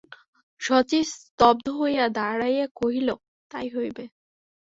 শচীশ স্তব্ধ হইয়া দাঁড়াইয়া কহিল, তাই হইবে।